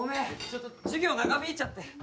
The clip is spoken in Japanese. ちょっと授業長引いちゃって。